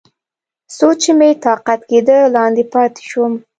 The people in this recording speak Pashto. څو چې مې طاقت کېده، لاندې پاتې شوم.